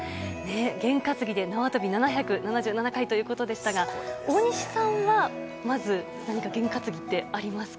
験担ぎで縄跳び７７７回ということでしたが、大西さんはまず何か験担ぎってありますか。